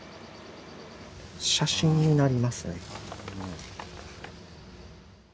写真になりますね。